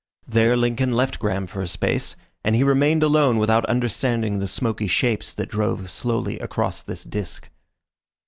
There Lincoln left Graham for a space, and he remained alone without understanding the smoky shapes that drove slowly across this disc.